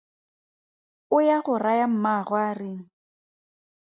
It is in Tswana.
O ya go raya mmaagwe a reng?